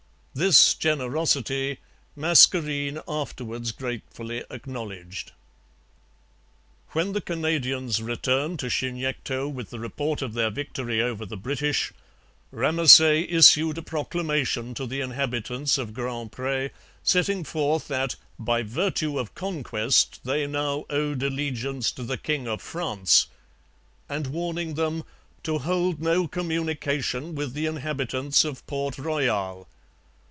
This generosity Mascarene afterwards gratefully acknowledged. When the Canadians returned to Chignecto with the report of their victory over the British, Ramesay issued a proclamation to the inhabitants of Grand Pre setting forth that 'by virtue of conquest they now owed allegiance to the King of France,' and warning them 'to hold no communication with the inhabitants of Port Royal.'